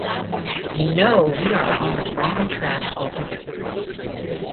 You know we are on a wrong track altogether.